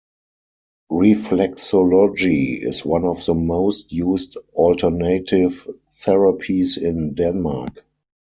Reflexology is one of the most used alternative therapies in Denmark.